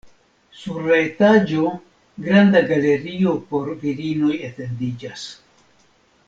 Sur la etaĝo granda galerio por virinoj etendiĝas.